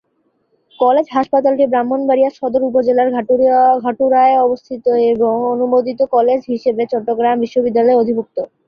College হাসপাতালটি ব্রাহ্মণবাড়িয়া সদর উপজেলার ঘাটুরায় অবস্থিত এবং অনুমোদিত কলেজ হিসেবে চট্টগ্রাম বিশ্ববিদ্যালয়ের অধিভুক্ত।